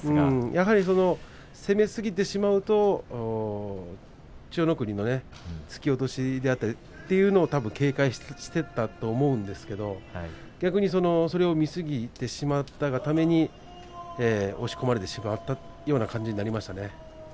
やはり攻めすぎてしまうと千代の国の突き落としを警戒していたと思うんですけれど逆にそれを見すぎてしまったがために押し込まれてしまったような感じになりましたね。